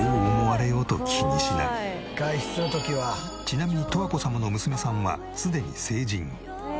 ちなみに十和子様の娘さんはすでに成人。